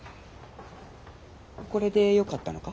これでよかったのか？